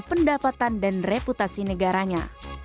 pendapatan dan reputasi negaranya